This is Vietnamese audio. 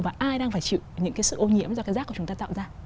và ai đang phải chịu những cái sự ô nhiễm do cái rác của chúng ta tạo ra